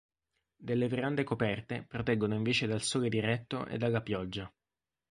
Delle verande coperte proteggono invece dal sole diretto e dalla pioggia.